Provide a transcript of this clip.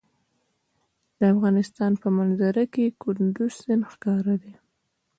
د افغانستان په منظره کې کندز سیند ښکاره ده.